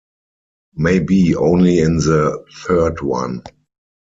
Maybe only in the third one.